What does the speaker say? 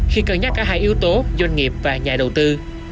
khi cân nhắc cả hai yếu tố doanh nghiệp và nhà đầu tư